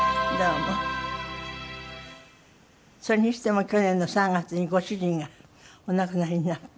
それにしても去年の３月にご主人がお亡くなりになってね。